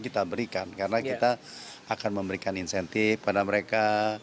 kita berikan karena kita akan memberikan insentif pada mereka